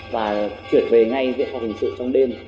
và chuyển về ngay viện phòng hình sự trong đêm